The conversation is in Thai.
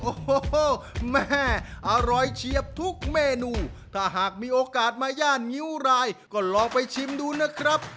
โอ้โหแม่อร่อยเฉียบทุกเมนูถ้าหากมีโอกาสมาย่านงิ้วรายก็ลองไปชิมดูนะครับ